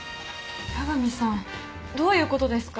八神さんどういうことですか？